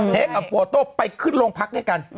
เค้กกับโฟโต้ไปขึ้นโรงพักด้วยกัน